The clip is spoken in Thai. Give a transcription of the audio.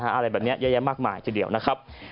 อะไรแบบนี้เยอะแยะมากมายทีเดียวนะครับ